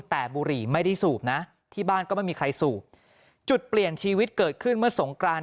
แต่บุหรี่ไม่ได้สูบนะที่บ้านก็ไม่มีใครสูบจุดเปลี่ยนชีวิตเกิดขึ้นเมื่อสงกราน